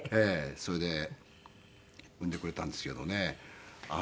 それで産んでくれたんですけどね。